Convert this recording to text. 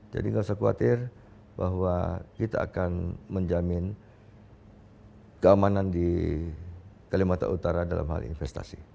jadi gak usah khawatir bahwa kita akan menjamin keamanan di kelimatan utara dalam hal investasi